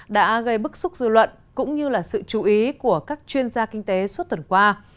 đã gây bức xúc dư luận cũng như là sự chú ý của các chuyên gia kinh tế suốt tuần qua